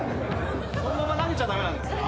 そのまま投げちゃ駄目なんですか？